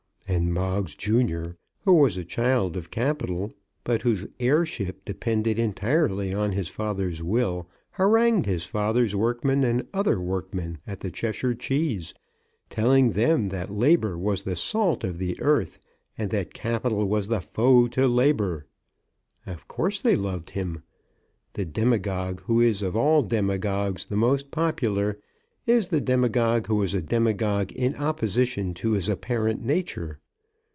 And Moggs junior, who was a child of Capital, but whose heirship depended entirely on his father's will, harangued his father's workmen and other workmen at the Cheshire Cheese, telling them that Labour was the salt of the earth, and that Capital was the foe to Labour! Of course they loved him. The demagogue who is of all demagogues the most popular, is the demagogue who is a demagogue in opposition to his apparent nature.